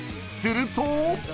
［すると］